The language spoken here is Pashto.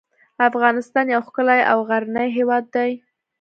افغانستان یو ښکلی او غرنی هیواد دی .